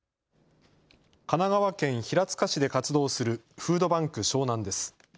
神奈川県平塚市で活動するフードバンク湘南です。